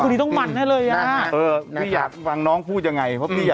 รถเมล์ก็เล่นเป็นทางเอกด้วย